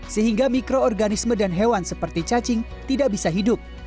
sehingga mikroorganisme dan hewan seperti cacing tidak bisa hidup